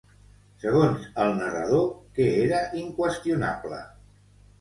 Segons el narrador, què era inqüestionable?